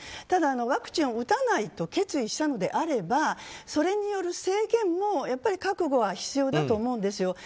ただワクチンを打たないと決意したのであればそれによる制限も覚悟は必要だと思うんですよ。